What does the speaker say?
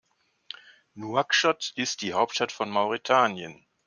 Nouakchott ist die Hauptstadt von Mauretanien.